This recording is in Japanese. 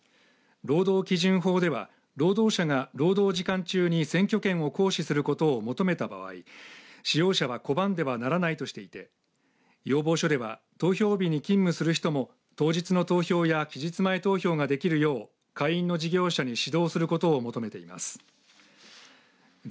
労働基準法では労働者が労働時間中に選挙権を行使することを求めた場合使用者は拒んではならないとしていて要望書では投票日に勤務する人も当日の投票や期日前投票ができるよう会員の事業者に指導することを求めています。